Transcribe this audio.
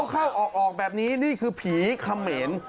เข้าออกแบบนี้นี่คือผีเขมร